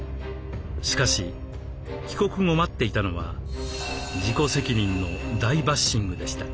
しかし帰国後待っていたのは「自己責任」の大バッシングでした。